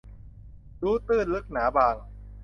รู้ตื้นลึกหนาบาง